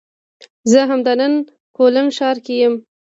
زه همدا نن کولن ښار کې یم